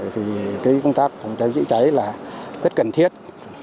vì cái công tác của đồng chí cháy là rất cần thiết